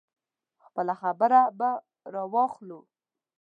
خپله خبره به راواخلو.